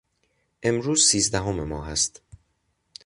امروز سیزدهم ماه است.